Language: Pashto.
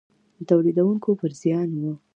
د تولیدوونکو پر زیان و.